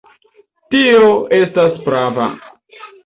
Tio estas prava.